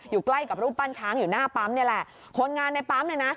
อยู่ใกล้กับรูปปั้นช้างอยู่หน้าปั๊มนี่แหละคนงานในปั๊มเนี่ยนะ